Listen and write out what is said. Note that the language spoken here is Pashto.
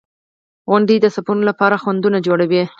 • غونډۍ د سفرونو لپاره خنډونه جوړوي.